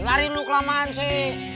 nari lu kelamaan sih